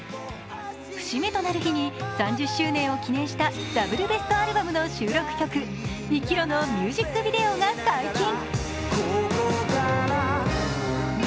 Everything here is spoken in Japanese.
節目となる日に、３０周年を記念したダブルベストアルバムの収録曲「生きろ」のミュージックビデオが解禁。